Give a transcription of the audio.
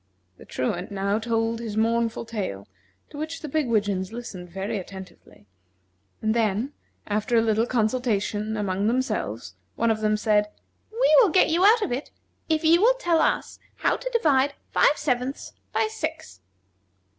The Truant now told his mournful tale, to which the pigwidgeons listened very attentively; and then, after a little consultation among themselves, one of them said: "We will get you out if you will tell us how to divide five sevenths by six."